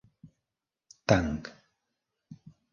Tanc: